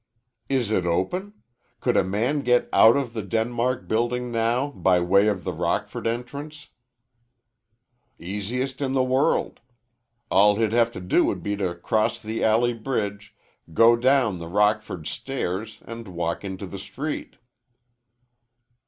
"Is it open? Could a man get out of the Denmark Building now by way of the Rockford entrance?" "Easiest in the world. All he'd have to do would be to cross the alley bridge, go down the Rockford stairs, and walk into the street."